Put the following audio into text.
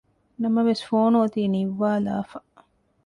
ނަމަވެސް ފޯނު އޮތީ ނިއްވާލާފަ